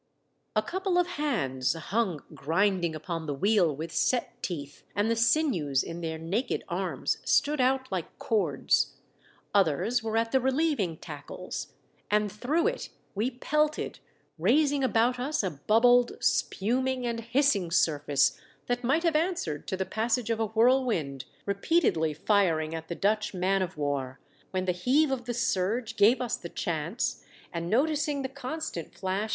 A couple of hands hung grinding upon the wheel with set teeth, and the sinews in their naked arms stood out like cords ; others were at the relieving tackles ; and through it we pelted, raising about us a bubbled, spuming and hissing surface that might have answered to the passage of a whirlwind, repeatedly firing at the Dutch man of war when the heave of the surge gave us the chance, and noticing the constant flash WE ARE CHASED AND NEARLY CAPTURED.